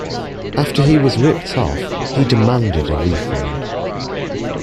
After he was ripped off, he demanded a refund.